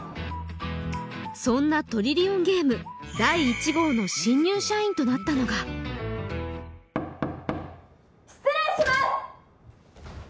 そんなトリリオンゲーム第１号の新入社員となったのが失礼します！